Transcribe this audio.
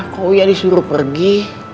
kok uya disuruh pergi